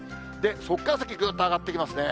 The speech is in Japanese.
そこから先、ぐっと上がってきますね。